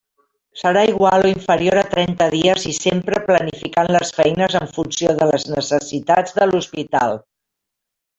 Serà igual o inferior a trenta dies i sempre planificant les feines en funció de les necessitats de l'Hospital.